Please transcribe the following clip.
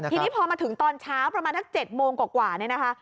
ทีนี้พอมาถึงตอนเช้าประมาณสัก๗โมงกว่าเนี่ยนะคะ